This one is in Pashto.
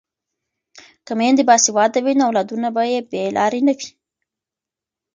که میندې باسواده وي نو اولادونه به یې بې لارې نه وي.